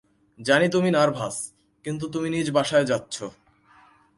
জানি তুমি নার্ভাস, কিন্তু তুমি নিজ বাসায় যাচ্ছো।